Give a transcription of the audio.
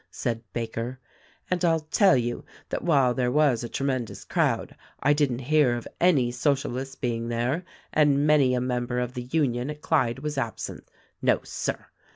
said Baker, "and I'll tell you that while there was a tremendous crowd I didn't hear of any Socialists being there, and many a member of the Union at Clyde was absent. No, Sir!